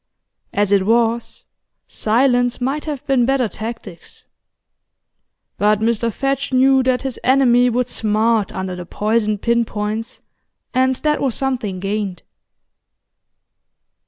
As it was, silence might have been better tactics. But Mr Fadge knew that his enemy would smart under the poisoned pin points, and that was something gained.